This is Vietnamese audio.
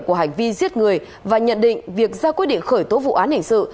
của hành vi giết người và nhận định việc ra quyết định khởi tố vụ án hình sự